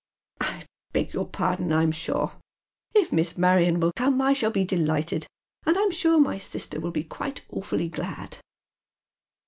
" I beg your pardon, I'm shaw. If Miss Marion will come I ehall be delighted, and I'm sure my sister will be quite awfully glad."